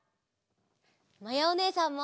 まやおねえさんも！